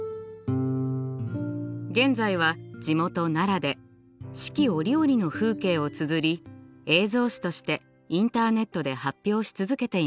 現在は地元奈良で四季折々の風景をつづり映像詩としてインターネットで発表し続けています。